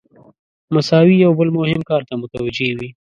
مساوي یو بل مهم کار ته متوجه وي.